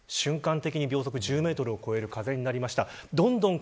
瞬間的に秒速１０メートルを超える風になりました。